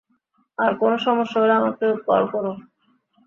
আর কোন সমস্যা হলে আমাকে কল কোরো।